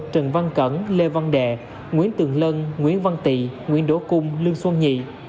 trần văn cẩn lê văn đệ nguyễn tường lân nguyễn văn tị nguyễn đỗ cung lương xuân nhị